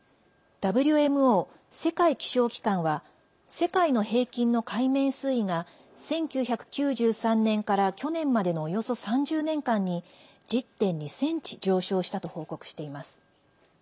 ＷＭＯ＝世界気象機関は世界の平均の海面水位が１９９３年から去年までのおよそ３０年間に１０．２ｃｍ上昇したと報告しています。